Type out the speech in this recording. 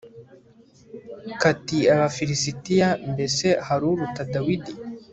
kati abafilisitiya mbese haruruta dawidi